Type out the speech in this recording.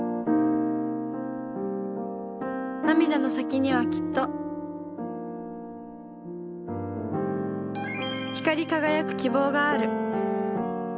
涙の先にはきっと、光り輝く希望がある。